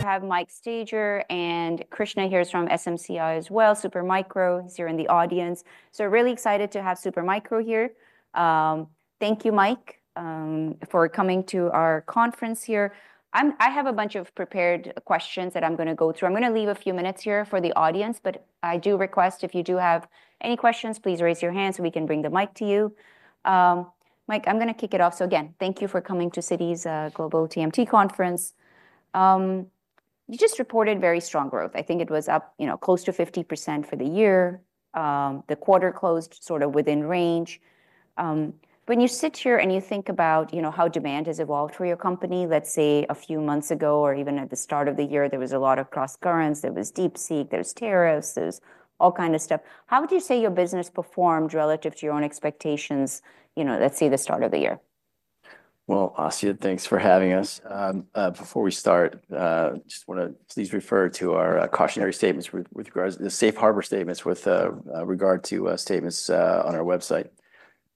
... we have Mike Staiger, and Krishna here is from SMCI as well, Supermicro. He's here in the audience. So really excited to have Supermicro here. Thank you, Mike, for coming to our conference here. I have a bunch of prepared questions that I'm gonna go through. I'm gonna leave a few minutes here for the audience, but I do request, if you do have any questions, please raise your hand so we can bring the mic to you. Mike, I'm gonna kick it off. So again, thank you for coming to Citi's Global TMT Conference. You just reported very strong growth. I think it was up, you know, close to 50% for the year. The quarter closed sort of within range. When you sit here and you think about, you know, how demand has evolved for your company, let's say, a few months ago, or even at the start of the year, there was a lot of crosscurrents, there was DeepSeek, there was tariffs, there's all kinds of stuff. How would you say your business performed relative to your own expectations, you know, let's say, the start of the year? Asiya, thanks for having us. Before we start, just want to please refer to our cautionary statements with regards to the safe harbor statements with regard to statements on our website.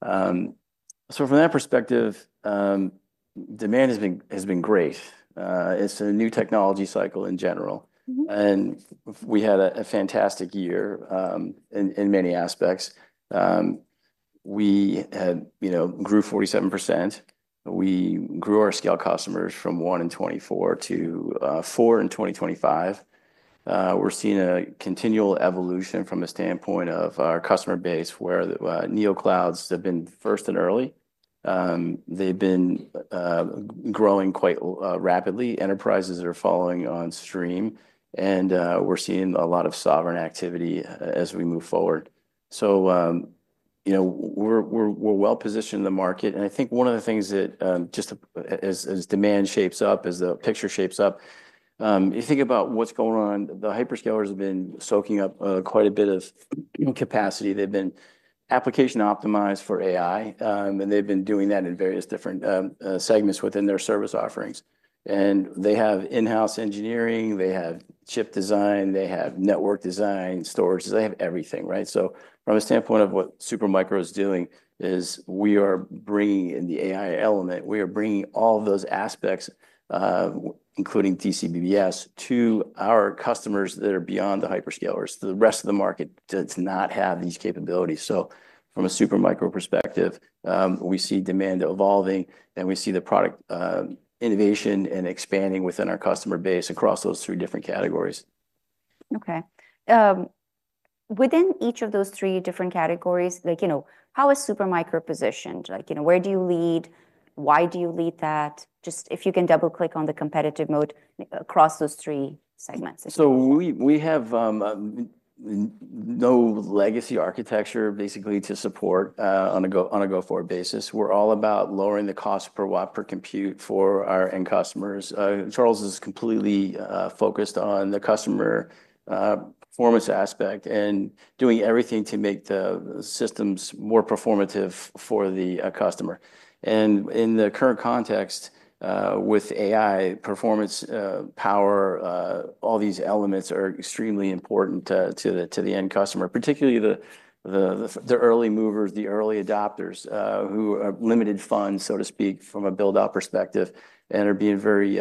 So from that perspective, demand has been great. It's a new technology cycle in general. Mm-hmm. We had a fantastic year in many aspects. We had, you know, grew 47%. We grew our scale customers from one in 2024 to four in 2025. We're seeing a continual evolution from a standpoint of our customer base, where the neoclouds have been first and early. They've been growing quite rapidly. Enterprises are following on stream, and we're seeing a lot of sovereign activity as we move forward. You know, we're well positioned in the market, and I think one of the things that just as demand shapes up, as the picture shapes up, you think about what's going on, the hyperscalers have been soaking up quite a bit of capacity. They've been application optimized for AI, and they've been doing that in various different segments within their service offerings, and they have in-house engineering, they have chip design, they have network design, storage, they have everything, right, so from a standpoint of what Supermicro is doing is we are bringing in the AI element. We are bringing all those aspects, including DCBBS, to our customers that are beyond the hyperscalers. The rest of the market does not have these capabilities, so from a Supermicro perspective, we see demand evolving, and we see the product innovation and expanding within our customer base across those three different categories. Okay. Within each of those three different categories, like, you know, how is Supermicro positioned? Like, you know, where do you lead? Why do you lead that? Just if you can double-click on the competitive moat across those three segments. We have no legacy architecture, basically, to support on a go-forward basis. We're all about lowering the cost per watt per compute for our end customers. Charles is completely focused on the customer performance aspect and doing everything to make the systems more performative for the customer. In the current context with AI, performance, power, all these elements are extremely important to the end customer, particularly the early movers, the early adopters, who have limited funds, so to speak, from a build-out perspective, and are being very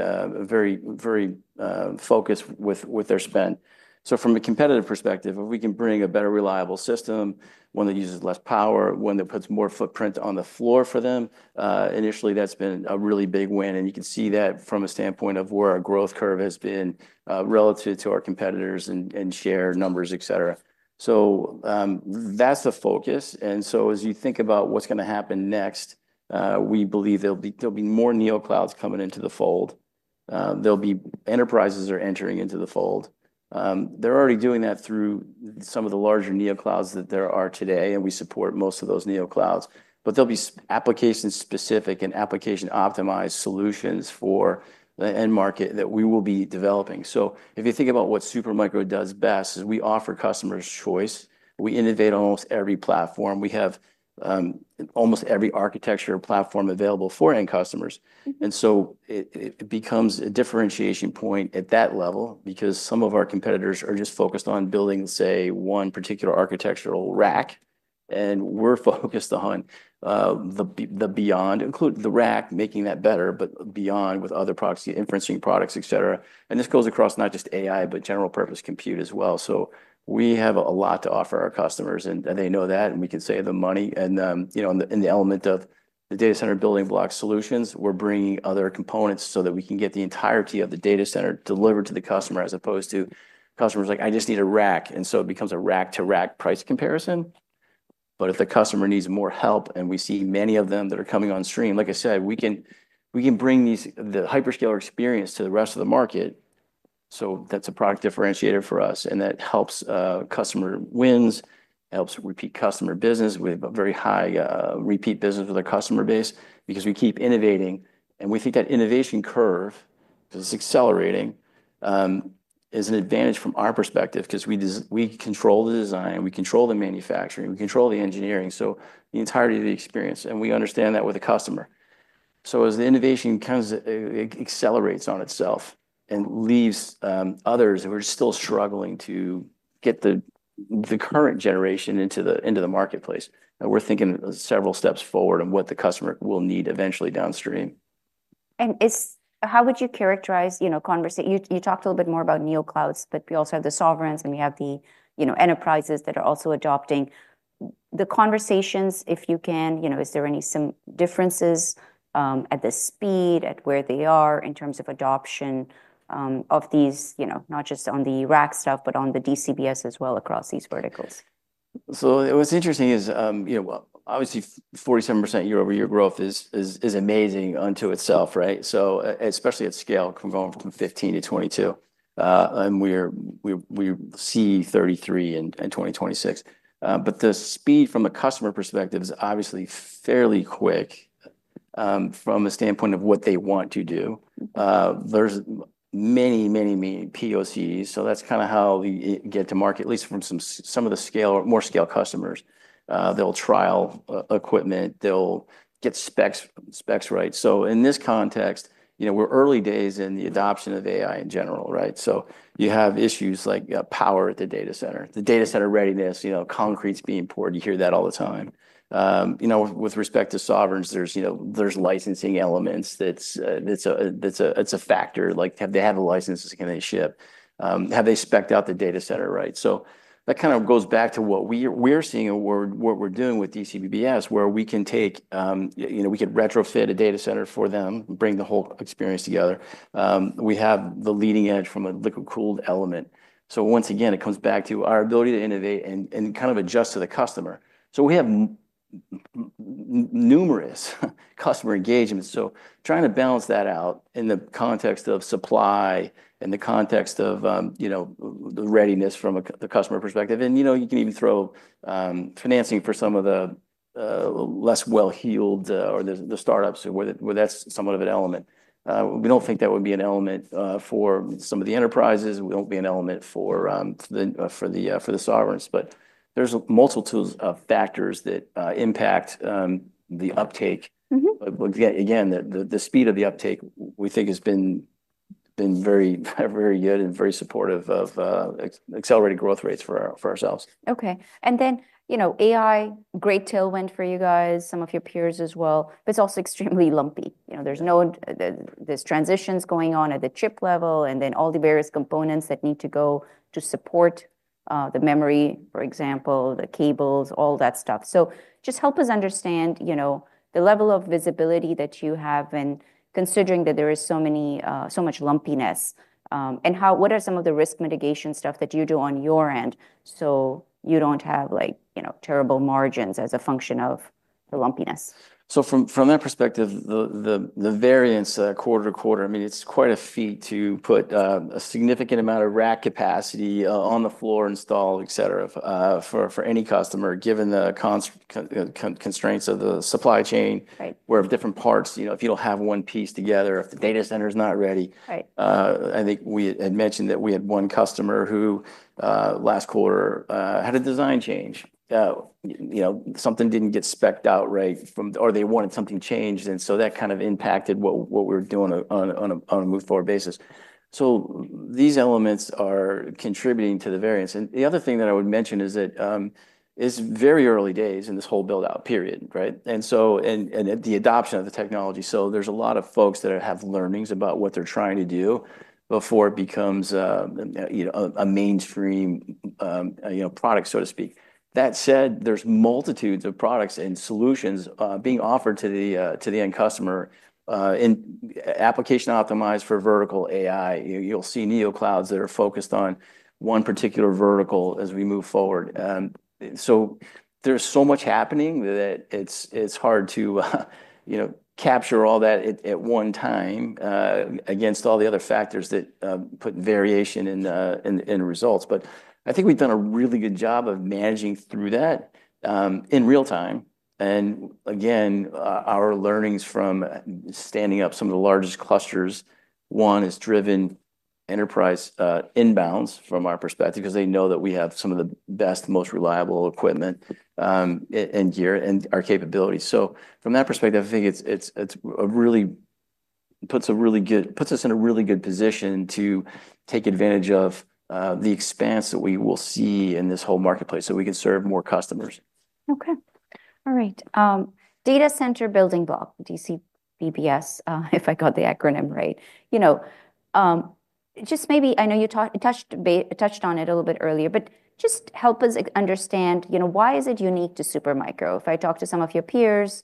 focused with their spend. So from a competitive perspective, if we can bring a better, reliable system, one that uses less power, one that puts more footprint on the floor for them, initially, that's been a really big win. And you can see that from a standpoint of where our growth curve has been, relative to our competitors and share numbers, etc. So, that's the focus. And so as you think about what's gonna happen next, we believe there'll be more neoclouds coming into the fold. There'll be. Enterprises are entering into the fold. They're already doing that through some of the larger neoclouds that there are today, and we support most of those neoclouds. But there'll be application-specific and application-optimized solutions for the end market that we will be developing. If you think about what Supermicro does best, is we offer customers choice. We innovate on almost every platform. We have almost every architecture platform available for end customers. Mm-hmm. It becomes a differentiation point at that level because some of our competitors are just focused on building, say, one particular architectural rack, and we're focused on the beyond, including the rack, making that better, but beyond with other proxy, inferencing products, etc. This goes across not just AI, but general purpose compute as well. We have a lot to offer our customers, and they know that, and we can save them money. You know, in the element of the data center building block solutions, we're bringing other components so that we can get the entirety of the data center delivered to the customer, as opposed to customers like: "I just need a rack." It becomes a rack-to-rack price comparison. But if the customer needs more help, and we see many of them that are coming on stream, like I said, we can, we can bring these, the hyperscaler experience to the rest of the market. So that's a product differentiator for us, and that helps, customer wins, helps repeat customer business. We have a very high, repeat business with our customer base because we keep innovating, and we think that innovation curve, because it's accelerating, is an advantage from our perspective, because we control the design, we control the manufacturing, we control the engineering, so the entirety of the experience, and we understand that with the customer. So as the innovation comes, it, it accelerates on itself and leaves, others who are still struggling to get the, the current generation into the, into the marketplace. We're thinking several steps forward and what the customer will need eventually downstream. And how would you characterize, you know, conversations? You talked a little bit more about neoclouds, but we also have the sovereigns, and we have the, you know, enterprises that are also adopting. The conversations, if you can, you know, is there any differences at the speed, at where they are in terms of adoption, of these, you know, not just on the rack stuff, but on the DCBBS as well across these verticals? So what's interesting is, you know, well, obviously, 47% year-over-year growth is amazing unto itself, right? Especially at scale, from going from 15 to 22. And we see 33 in 2026. But the speed from a customer perspective is obviously fairly quick, from a standpoint of what they want to do. There's many POCs, so that's kind of how you get to market, at least from some of the more scale customers. They'll trial equipment, they'll get specs right. So in this context, you know, we're early days in the adoption of AI in general, right? So you have issues like power at the data center. The data center readiness, you know, concrete's being poured, you hear that all the time. You know, with respect to sovereigns, there's you know there's licensing elements that's a factor. Like, if they have the licenses, can they ship? Have they spec'd out the data center right? So that kind of goes back to what we're seeing and what we're doing with DCBBS, where we can take, you know, we could retrofit a data center for them, bring the whole experience together. We have the leading edge from a liquid-cooled element. So once again, it comes back to our ability to innovate and kind of adjust to the customer. So we have numerous customer engagements, so trying to balance that out in the context of supply, in the context of, you know, the readiness from the customer perspective. You know, you can even throw financing for some of the less well-heeled or the startups, where that's somewhat of an element. We don't think that would be an element for some of the enterprises. It won't be an element for the sovereigns, but there's multitudes of factors that impact the uptake. Mm-hmm. But again, the speed of the uptake, we think has been very, very good and very supportive of accelerated growth rates for ourselves. Okay. And then, you know, AI, great tailwind for you guys, some of your peers as well, but it's also extremely lumpy. You know, there's transitions going on at the chip level, and then all the various components that need to go to support, the memory, for example, the cables, all that stuff. So just help us understand, you know, the level of visibility that you have, and considering that there is so many, so much lumpiness, and what are some of the risk mitigation stuff that you do on your end so you don't have, like, you know, terrible margins as a function of the lumpiness? So from that perspective, the variance quarter to quarter, I mean, it's quite a feat to put a significant amount of rack capacity on the floor installed, et cetera, for any customer, given the constraints of the supply chain- Right... where all of different parts, you know, if you don't have one piece together, if the data center's not ready. Right. I think we had mentioned that we had one customer who, last quarter, had a design change. You know, something didn't get spec'd out right from or they wanted something changed, and so that kind of impacted what we're doing on a move-forward basis. So these elements are contributing to the variance. And the other thing that I would mention is that, it's very early days in this whole build-out period, right? And so, the adoption of the technology, so there's a lot of folks that have learnings about what they're trying to do before it becomes, you know, a mainstream, you know, product, so to speak. That said, there's multitudes of products and solutions being offered to the end customer in application optimized for vertical AI. You'll see neoclouds that are focused on one particular vertical as we move forward. So there's so much happening that it's hard to, you know, capture all that at one time against all the other factors that put variation in the results, but I think we've done a really good job of managing through that in real time and again our learnings from standing up some of the largest clusters, one, has driven enterprise inbounds from our perspective, because they know that we have some of the best, most reliable equipment and gear and our capabilities. So from that perspective, I think it puts us in a really good position to take advantage of the expansion that we will see in this whole marketplace, so we can serve more customers. Okay. All right, data center building block, DCBBS, if I got the acronym right. You know, just maybe, I know you touched on it a little bit earlier, but just help us understand, you know, why is it unique to Supermicro? If I talk to some of your peers,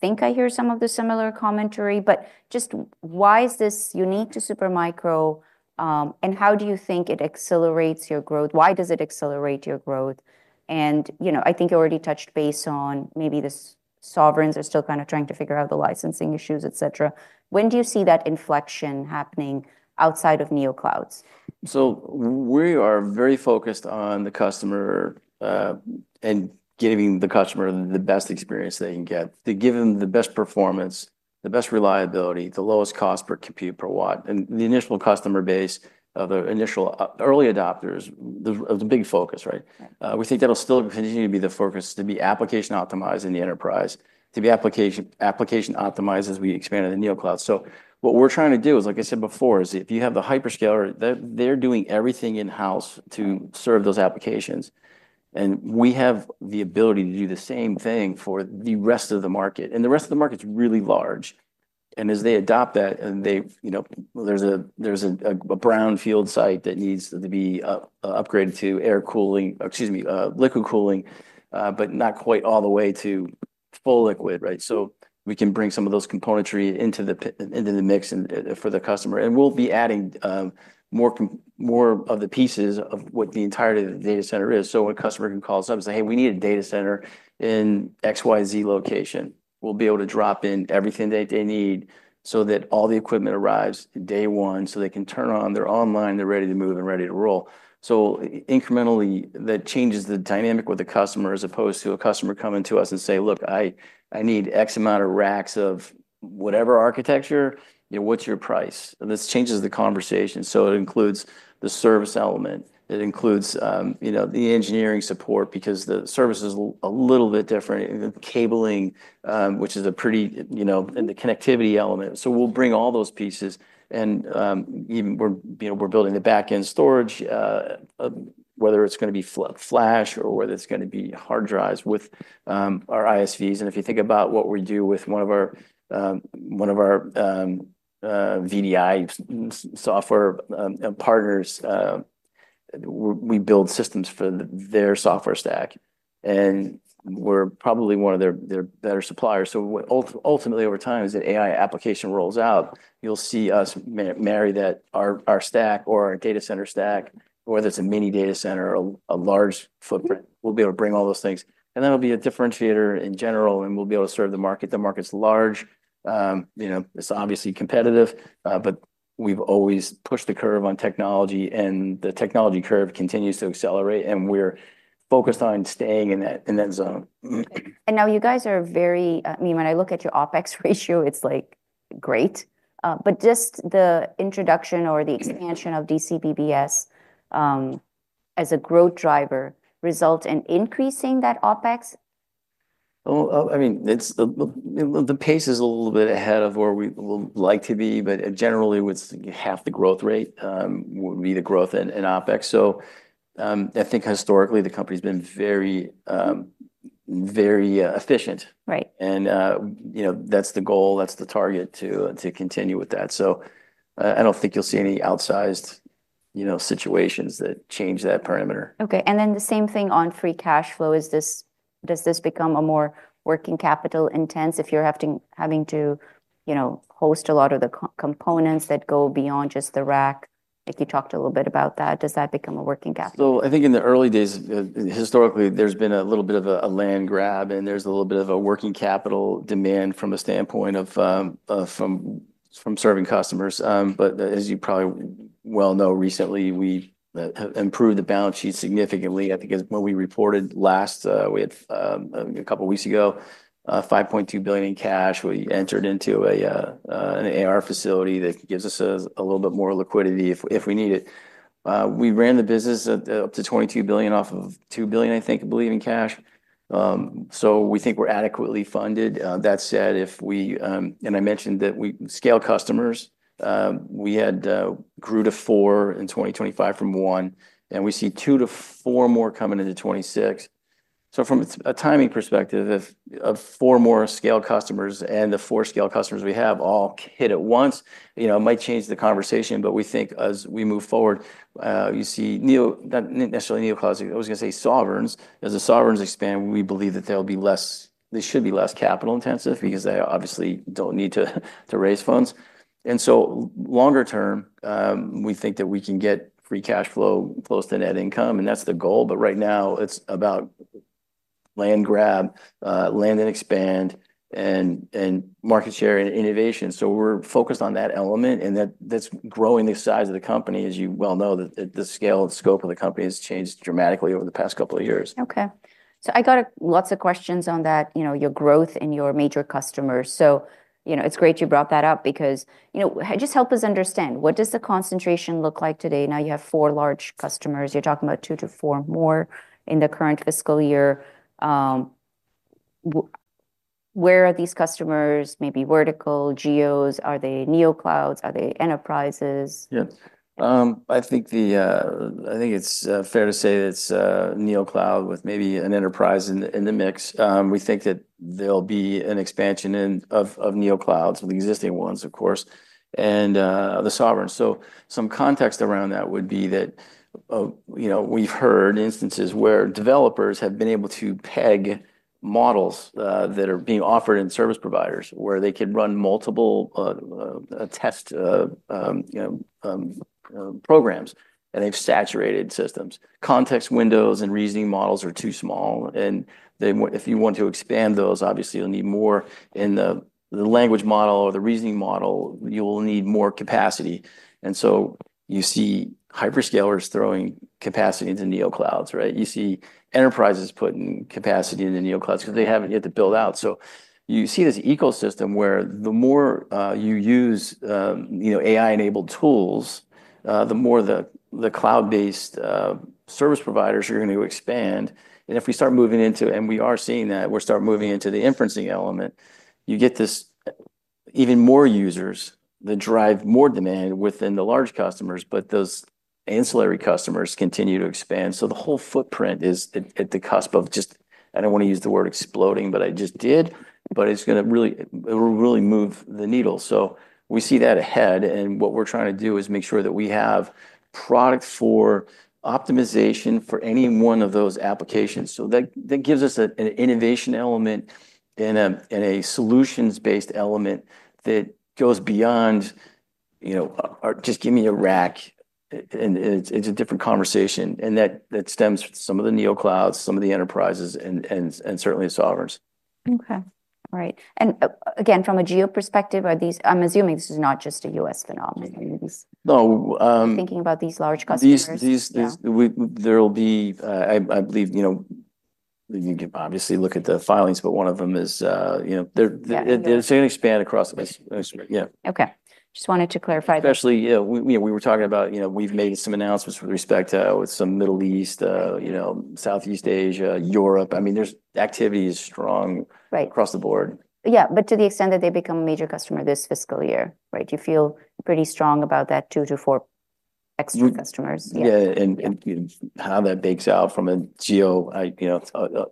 think I hear some of the similar commentary, but just why is this unique to Supermicro, and how do you think it accelerates your growth? Why does it accelerate your growth? You know, I think you already touched base on maybe the sovereigns are still kind of trying to figure out the licensing issues, et cetera. When do you see that inflection happening outside of neoclouds? So we are very focused on the customer, and giving the customer the best experience they can get, to give them the best performance, the best reliability, the lowest cost per compute per watt. And the initial customer base, the initial early adopters, the big focus, right? Right. We think that'll still continue to be the focus, to be application optimized in the enterprise, to be application optimized as we expand in the neocloud. So what we're trying to do is, like I said before, if you have the hyperscaler, they're doing everything in-house to serve those applications, and we have the ability to do the same thing for the rest of the market, and the rest of the market's really large... and as they adopt that, you know, there's a brownfield site that needs to be upgraded to air cooling, excuse me, liquid cooling, but not quite all the way to full liquid, right? So we can bring some of those componentry into the mix and for the customer. And we'll be adding more of the pieces of what the entirety of the data center is. So a customer can call us up and say, "Hey, we need a data center in XYZ location." We'll be able to drop in everything that they need so that all the equipment arrives day one, so they can turn on, they're online, they're ready to move and ready to roll. So incrementally, that changes the dynamic with the customer, as opposed to a customer coming to us and say, "Look, I need X amount of racks of whatever architecture, you know, what's your price?" And this changes the conversation. So it includes the service element. It includes, you know, the engineering support because the service is a little bit different. The cabling, which is a pretty, you know... And the connectivity element. So we'll bring all those pieces, and even, you know, we're building the back-end storage, whether it's gonna be flash or whether it's gonna be hard drives with our ISVs. And if you think about what we do with one of our VDI software partners, we build systems for their software stack, and we're probably one of their better suppliers. So ultimately, over time, as the AI application rolls out, you'll see us marry that, our stack or our data center stack, whether it's a mini data center or a large footprint, we'll be able to bring all those things. And that'll be a differentiator in general, and we'll be able to serve the market. The market's large. You know, it's obviously competitive, but we've always pushed the curve on technology, and the technology curve continues to accelerate, and we're focused on staying in that, in that zone. I mean, when I look at your OpEx ratio, it's like great. But just the introduction or the expansion of DCBBS as a growth driver result in increasing that OpEx? I mean, it's the pace is a little bit ahead of where we would like to be, but generally, with half the growth rate would be the growth in OpEx. So, I think historically, the company's been very, very efficient. Right. And, you know, that's the goal, that's the target to continue with that. So, I don't think you'll see any outsized, you know, situations that change that parameter. Okay, and then the same thing on free cash flow. Does this become a more working capital intense if you're having to, you know, host a lot of the components that go beyond just the rack? I think you talked a little bit about that. Does that become a working capital? So I think in the early days, historically, there's been a little bit of a land grab, and there's a little bit of a working capital demand from a standpoint of from serving customers. But as you probably well know, recently, we have improved the balance sheet significantly. I think when we reported last, a couple of weeks ago, we had $5.2 billion in cash. We entered into an AR facility that gives us a little bit more liquidity if we need it. We ran the business at up to $22 billion off of $2 billion, I think, I believe, in cash. So we think we're adequately funded. That said, if we... And I mentioned that we scale customers. We had grew to four in 2025 from one, and we see two to four more coming into 2026. So from a timing perspective, if all four more scale customers and the four scale customers we have all hit at once, you know, it might change the conversation. But we think as we move forward, you see not necessarily neoclouds. I was gonna say sovereigns. As the sovereigns expand, we believe that they'll be less capital intensive because they obviously don't need to raise funds. So longer term, we think that we can get free cash flow close to net income, and that's the goal. But right now, it's about land grab, land and expand, and market share and innovation. So we're focused on that element, and that's growing the size of the company. As you well know, the scale and scope of the company has changed dramatically over the past couple of years. Okay. So I got lots of questions on that, you know, your growth and your major customers. So, you know, it's great you brought that up because, you know, just help us understand, what does the concentration look like today? Now you have four large customers. You're talking about two to four more in the current fiscal year. Where are these customers? Maybe vertical, geos, are they neoclouds, are they enterprises? Yeah. I think it's fair to say it's a NeoCloud with maybe an enterprise in the mix. We think that there'll be an expansion of neoclouds with the existing ones, of course, and the sovereigns. So some context around that would be that, you know, we've heard instances where developers have been able to peg models that are being offered in service providers, where they can run multiple test, you know, programs, and they've saturated systems. Context windows and reasoning models are too small, and if you want to expand those, obviously you'll need more in the language model or the reasoning model, you will need more capacity. And so you see hyperscalers throwing capacity into neoclouds, right? You see enterprises putting capacity into neoclouds because they haven't yet to build out, so you see this ecosystem where the more you use, you know, AI-enabled tools, the more the cloud-based service providers are going to expand, and if we start moving into, and we are seeing that, the inferencing element, you get this even more users that drive more demand within the large customers, but those ancillary customers continue to expand, so the whole footprint is at the cusp of just, I don't wanna use the word exploding, but I just did, but it's gonna really, it will really move the needle, so we see that ahead, and what we're trying to do is make sure that we have product for optimization for any one of those applications. So that gives us an innovation element and a solutions-based element that goes beyond, you know, just give me a rack. And it's a different conversation, and that stems some of the neoclouds, some of the enterprises, and certainly sovereigns. Okay. All right, and again, from a geo perspective, are these- I'm assuming this is not just a U.S. phenomenon, I mean, this- No, um- Thinking about these large customers. These Yeah. There will be... I believe, you know, you can obviously look at the filings, but one of them is, you know, they're- Yeah... they're gonna expand across the- Yes... yeah. Okay. Just wanted to clarify. Especially, you know, we, you know, we were talking about, you know, we've made some announcements with respect to some Middle East, you know, Southeast Asia, Europe. I mean, there's activity is strong. Right... across the board. Yeah, but to the extent that they become a major customer this fiscal year, right? Do you feel pretty strong about that two to four extra customers? Yeah. Yeah, and you know, how that bakes out from a geo, you know,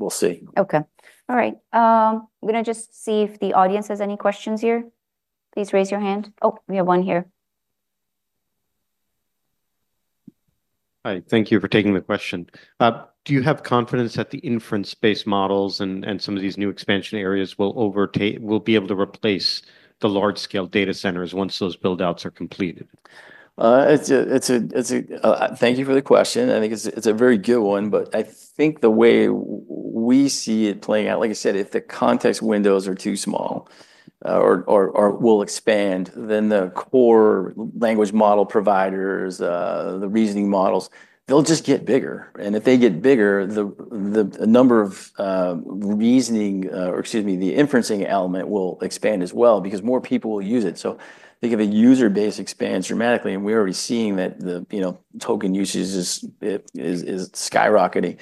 we'll see. Okay. All right, I'm gonna just see if the audience has any questions here. Please raise your hand. Oh, we have one here. Hi, thank you for taking the question. Do you have confidence that the inference-based models and some of these new expansion areas will be able to replace the large-scale data centers once those build-outs are completed? Thank you for the question. I think it's a very good one, but I think the way we see it playing out, like I said, if the context windows are too small, or will expand, then the core language model providers, the reasoning models, they'll just get bigger. And if they get bigger, the number of reasoning, or excuse me, the inference element will expand as well because more people will use it. So think if a user base expands dramatically, and we're already seeing that the, you know, token usage is skyrocketing.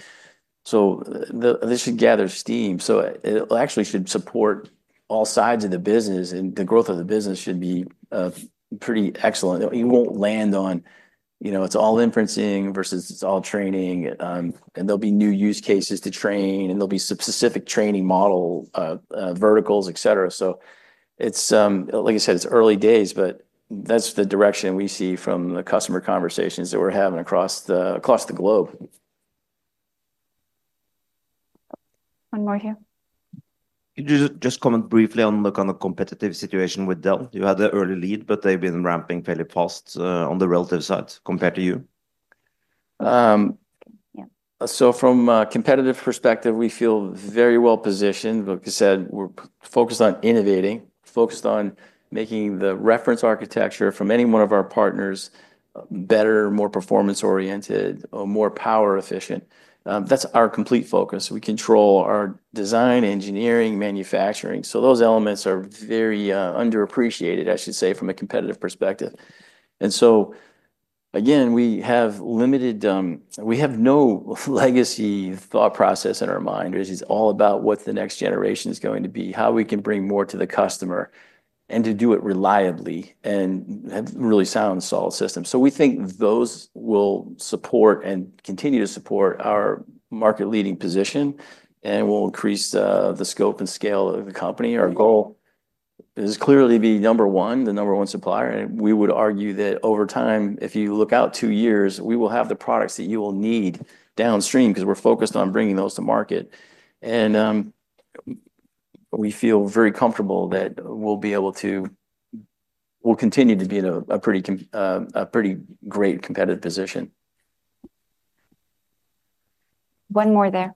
So this should gather steam, so it actually should support all sides of the business, and the growth of the business should be pretty excellent. You won't land on, you know, it's all inferencing versus it's all training, and there'll be new use cases to train, and there'll be specific training model verticals, et cetera, so it's, like I said, it's early days, but that's the direction we see from the customer conversations that we're having across the globe. One more here. Could you just, just comment briefly on the kind of competitive situation with Dell? You had the early lead, but they've been ramping fairly fast, on the relative side compared to you. Um- Yeah... so from a competitive perspective, we feel very well positioned. Like I said, we're focused on innovating, focused on making the reference architecture from any one of our partners, better, more performance-oriented, or more power efficient. That's our complete focus. We control our design, engineering, manufacturing, so those elements are very underappreciated, I should say, from a competitive perspective. And so, again, we have limited, we have no legacy thought process in our mind. This is all about what the next generation is going to be, how we can bring more to the customer, and to do it reliably, and have really sound, solid systems. So we think those will support and continue to support our market leading position and will increase, the scope and scale of the company. Our goal is clearly to be number one, the number one supplier, and we would argue that over time, if you look out two years, we will have the products that you will need downstream because we're focused on bringing those to market. We feel very comfortable that we'll continue to be in a pretty great competitive position. One more there.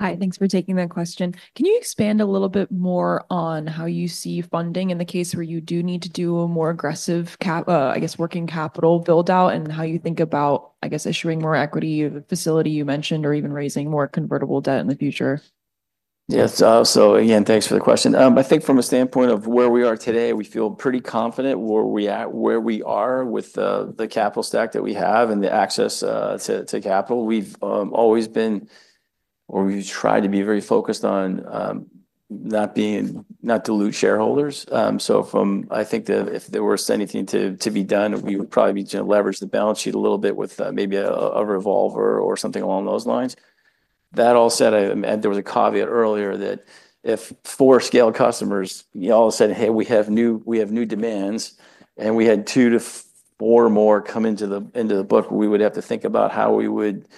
Hi, thanks for taking the question. Can you expand a little bit more on how you see funding in the case where you do need to do a more aggressive cap, I guess, working capital build-out, and how you think about, I guess, issuing more equity, the facility you mentioned, or even raising more convertible debt in the future? Yes. So again, thanks for the question. I think from a standpoint of where we are today, we feel pretty confident where we are with the capital stack that we have and the access to capital. We've always been, or we've tried to be very focused on not dilute shareholders. So from... I think that if there was anything to be done, we would probably leverage the balance sheet a little bit with maybe a revolver or something along those lines. That all said, and there was a caveat earlier that if four scale customers, you know, all of a sudden, "Hey, we have new demands," and we had two to four more come into the book, we would have to think about how we would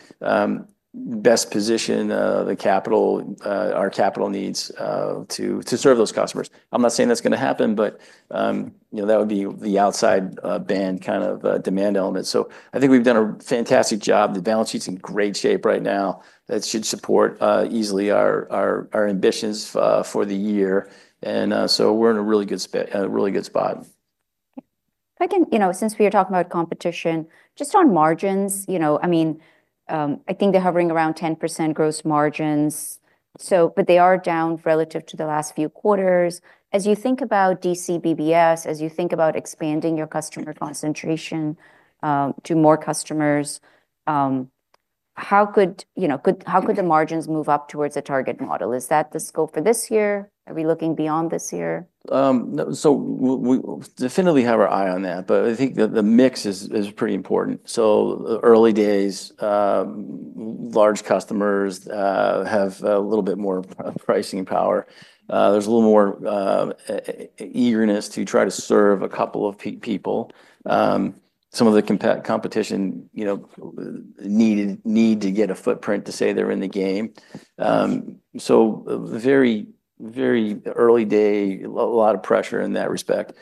best position the capital, our capital needs, to serve those customers. I'm not saying that's gonna happen, but, you know, that would be the outside band kind of demand element. So I think we've done a fantastic job. The balance sheet's in great shape right now. That should support easily our ambitions for the year, and so we're in a really good spot. If I can... You know, since we are talking about competition, just on margins, you know, I mean, I think they're hovering around 10% gross margins, so but they are down relative to the last few quarters. As you think about DCBBS, as you think about expanding your customer concentration, to more customers, how could the margins move up towards a target model? Is that the scope for this year? Are we looking beyond this year? So we definitely have our eye on that, but I think the mix is pretty important. So early days, large customers have a little bit more pricing power. There's a little more eagerness to try to serve a couple of people. Some of the competition, you know, need to get a footprint to say they're in the game. So a very early day, a lot of pressure in that respect.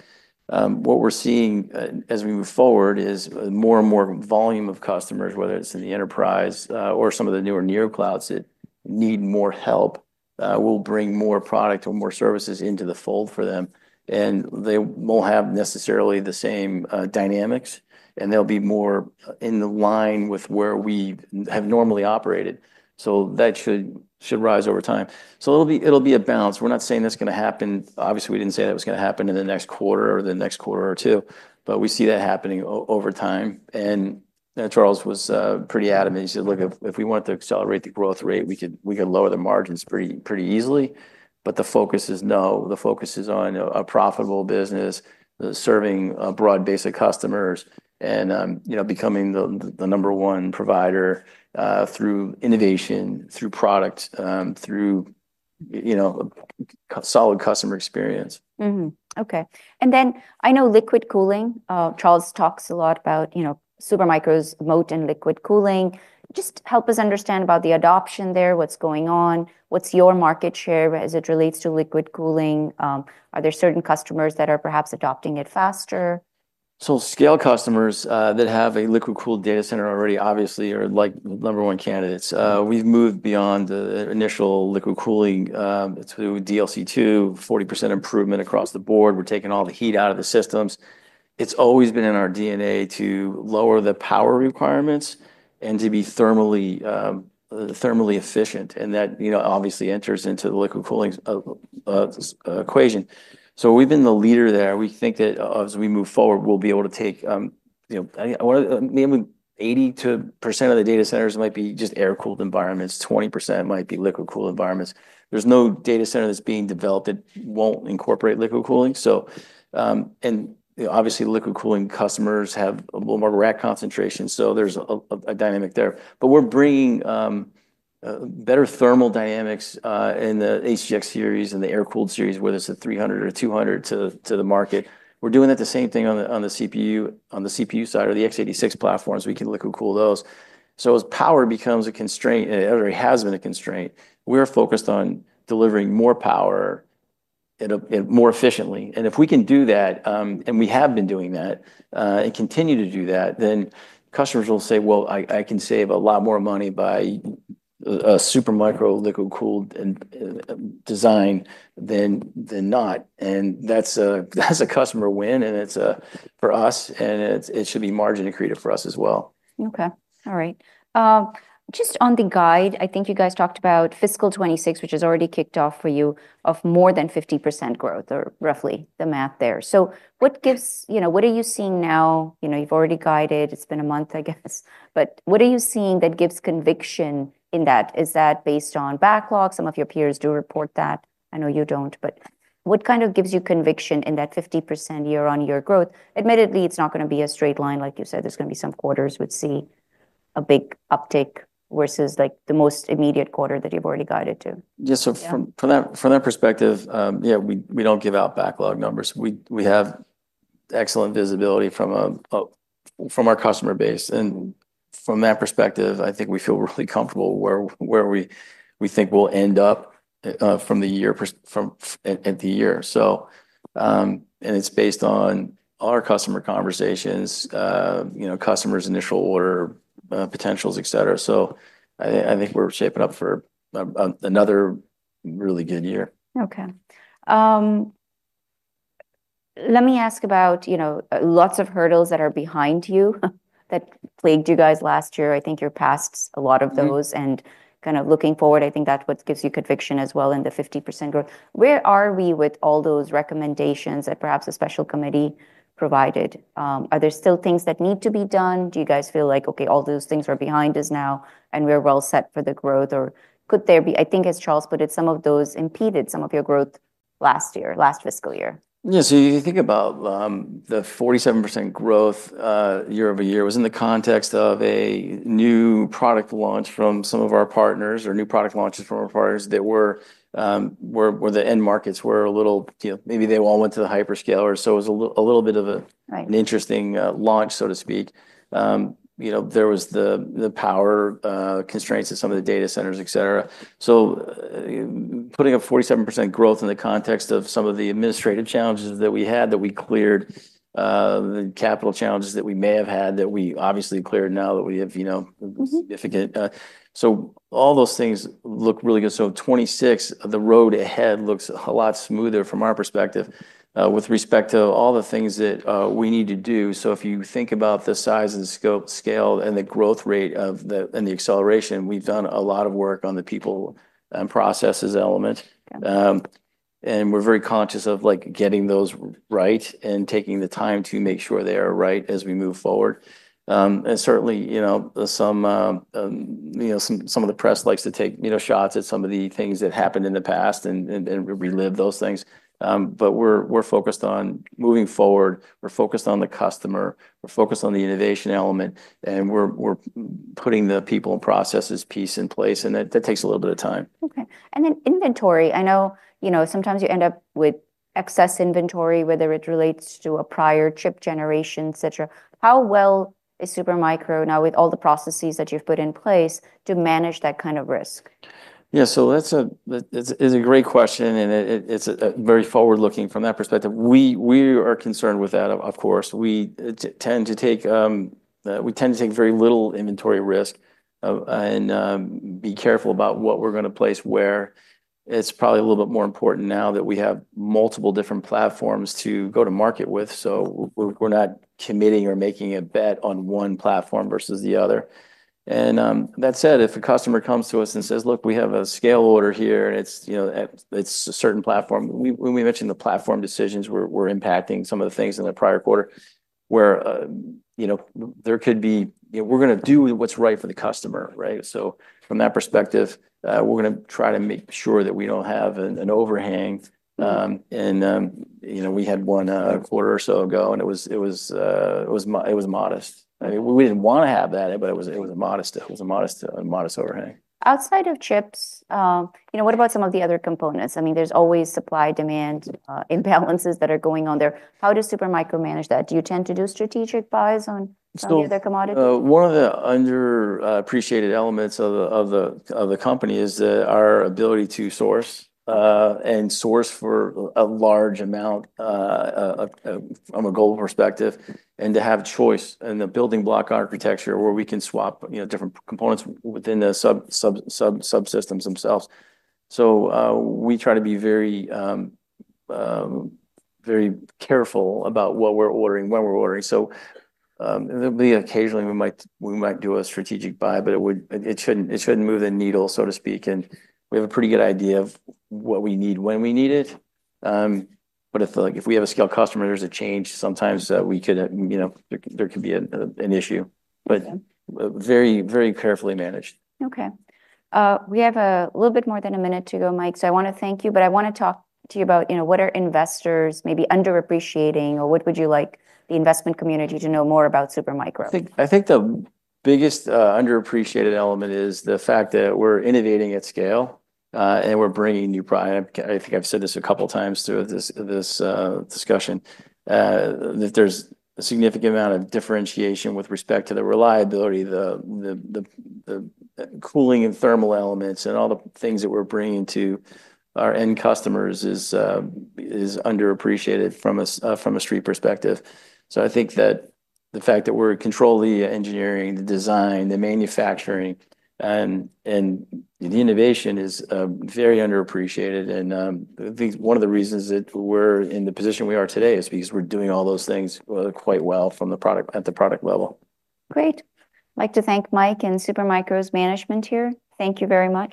What we're seeing, as we move forward, is more and more volume of customers, whether it's in the enterprise, or some of the newer neoclouds that need more help, will bring more product or more services into the fold for them, and they won't have necessarily the same dynamics, and they'll be more in the line with where we have normally operated. So that should rise over time. So it'll be a balance. We're not saying that's gonna happen. Obviously, we didn't say that was gonna happen in the next quarter or the next quarter or two, but we see that happening over time, and Charles was pretty adamant. He said, "Look, if we want to accelerate the growth rate, we could lower the margins pretty easily." But the focus is, no, the focus is on a profitable business, serving a broad base of customers and, you know, becoming the number one provider through innovation, through product, through, you know, a solid customer experience. Mm-hmm. Okay. And then I know liquid cooling, Charles talks a lot about, you know, Supermicro's moat in liquid cooling. Just help us understand about the adoption there, what's going on, what's your market share as it relates to liquid cooling? Are there certain customers that are perhaps adopting it faster? Scale customers that have a liquid-cooled data center already obviously are, like, the number one candidates. We've moved beyond the initial liquid cooling to DLC-2, 40% improvement across the board. We're taking all the heat out of the systems. It's always been in our DNA to lower the power requirements and to be thermally efficient, and that, you know, obviously enters into the liquid cooling equation. We've been the leader there. We think that as we move forward, we'll be able to take, you know, maybe 80%-90% of the data centers might be just air-cooled environments, 20% might be liquid-cooled environments. There's no data center that's being developed that won't incorporate liquid cooling. So, and, you know, obviously, liquid cooling customers have a little more rack concentration, so there's a dynamic there. But we're bringing better thermal dynamics in the HGX series and the air-cooled series, whether it's a 300 or 200 to the market. We're doing that the same thing on the CPU side or the x86 platforms; we can liquid cool those. So as power becomes a constraint, and it already has been a constraint, we're focused on delivering more power and more efficiently. And if we can do that, and we have been doing that, and continue to do that, then customers will say, "Well, I can save a lot more money by a Supermicro liquid-cooled design than not." And that's a customer win, and it's for us, and it should be margin accretive for us as well. Okay. All right. Just on the guide, I think you guys talked about fiscal twenty-six, which has already kicked off for you, of more than 50% growth, or roughly the math there. So what gives? You know, what are you seeing now? You know, you've already guided. It's been a month, I guess. But what are you seeing that gives conviction in that? Is that based on backlog? Some of your peers do report that. I know you don't, but what kind of gives you conviction in that 50% year-on-year growth? Admittedly, it's not gonna be a straight line. Like you said, there's gonna be some quarters we'd see a big uptick versus, like, the most immediate quarter that you've already guided to. Yeah, so from- Yeah... from that perspective, yeah, we don't give out backlog numbers. We have excellent visibility from our customer base, and from that perspective, I think we feel really comfortable where we think we'll end up from the year at the year. So, and it's based on our customer conversations, you know, customers' initial order potentials, et cetera. So I think we're shaping up for another really good year. Okay. Let me ask about, you know, lots of hurdles that are behind you, that plagued you guys last year. I think you're past a lot of those- Mm-hmm... and kind of looking forward, I think that's what gives you conviction as well in the 50% growth. Where are we with all those recommendations that perhaps a special committee provided? Are there still things that need to be done? Do you guys feel like, okay, all those things are behind us now, and we're well-set for the growth? Or could there be... I think, as Charles put it, some of those impeded some of your growth last year, last fiscal year. Yeah, so you think about the 47% growth year-over-year was in the context of a new product launch from some of our partners or new product launches from our partners that were where the end markets were a little, you know, maybe they all went to the hyperscaler, so it was a little bit of a- Right... an interesting launch, so to speak. You know, there was the power constraints in some of the data centers, et cetera. So, putting a 47% growth in the context of some of the administrative challenges that we had, that we cleared, the capital challenges that we may have had, that we obviously cleared, now that we have, you know- Mm-hmm... significant. So all those things look really good. So 26, the road ahead looks a lot smoother from our perspective, with respect to all the things that we need to do. So if you think about the size and scope, scale, and the growth rate of and the acceleration, we've done a lot of work on the people and processes element. And we're very conscious of, like, getting those right and taking the time to make sure they are right as we move forward. And certainly, you know, some of the press likes to take, you know, shots at some of the things that happened in the past and relive those things. But we're focused on moving forward, we're focused on the customer, we're focused on the innovation element, and we're putting the people and processes piece in place, and that takes a little bit of time. Okay, and then inventory, I know, you know, sometimes you end up with excess inventory, whether it relates to a prior chip generation, et cetera. How well is Supermicro now, with all the processes that you've put in place, to manage that kind of risk? Yeah, so that's a great question, and it's very forward-looking from that perspective. We are concerned with that, of course. We tend to take very little inventory risk, and be careful about what we're gonna place where. It's probably a little bit more important now that we have multiple different platforms to go to market with, so we're not committing or making a bet on one platform versus the other. And that said, if a customer comes to us and says, "Look, we have a scale order here," and it's, you know, it's a certain platform. When we mentioned the platform decisions, we're impacting some of the things in the prior quarter, where, you know, there could be... You know, we're gonna do what's right for the customer, right? So from that perspective, we're gonna try to make sure that we don't have an overhang. You know, we had one a quarter or so ago, and it was modest. I mean, we didn't wanna have that, but it was a modest overhang. Outside of chips, you know, what about some of the other components? I mean, there's always supply, demand, imbalances that are going on there. How does Supermicro manage that? Do you tend to do strategic buys on- So- -any of the commodity?... one of the underappreciated elements of the company is our ability to source and source for a large amount from a goal perspective, and to have choice, and the building block architecture where we can swap, you know, different components within the subsystems themselves. So, we try to be very careful about what we're ordering, when we're ordering. So, and occasionally, we might do a strategic buy, but it shouldn't move the needle, so to speak. And we have a pretty good idea of what we need, when we need it. But if, like, if we have a scale customer, there's a change, sometimes, we could, you know, there could be an issue- Okay... but, very, very carefully managed. Okay. We have a little bit more than a minute to go, Mike, so I wanna thank you, but I wanna talk to you about, you know, what are investors maybe underappreciating, or what would you like the investment community to know more about Supermicro? I think the biggest underappreciated element is the fact that we're innovating at scale, and we're bringing new. I think I've said this a couple times through this discussion that there's a significant amount of differentiation with respect to the reliability, the cooling and thermal elements, and all the things that we're bringing to our end customers is underappreciated from a street perspective. So I think that the fact that we're controlling the engineering, the design, the manufacturing, and the innovation is very underappreciated. And I think one of the reasons that we're in the position we are today is because we're doing all those things quite well at the product level. Great. I'd like to thank Mike and Supermicro's management here. Thank you very much.